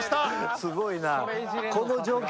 すごいな。